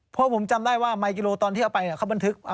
เพราะผมจำได้ว่าไมกิโลตอนที่เอาไปเขาบันทึก